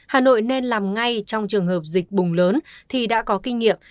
hà nội nên làm ngay trong trường hợp dịch bùng lớn thì đã có kinh nghiệm